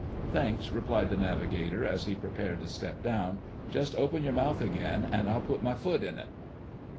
"Thanks," replied the navigator, as he prepared to step down, "Just open your mouth again and I'll put my foot in it."